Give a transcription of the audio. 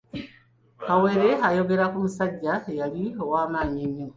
Kawere, ayogera ku musajja eyali ow'amaanyi ennyo.